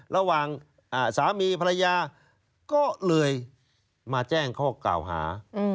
ระหว่างสามีภรรยาก็เลยมาแจ้งข้อกล่าวหา